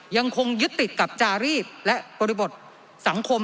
ยังคงยึดติดกับจารีดและบริบทสังคม